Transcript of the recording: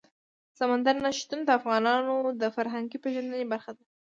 سمندر نه شتون د افغانانو د فرهنګي پیژندنې برخه ده.